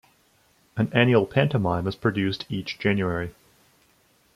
An annual pantomime is produced each January.